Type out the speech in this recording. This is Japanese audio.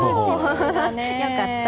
よかった。